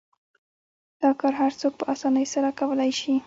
دا کار هر څوک په اسانۍ سره کولای شي.